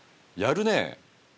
やるねぇ。